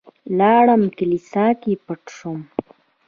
لاړم کليسا کې پټ شوم.